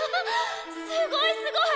すごいすごい！